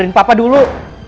semoga aku bisa